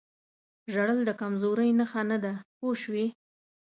ژړل د کمزورۍ نښه نه ده پوه شوې!.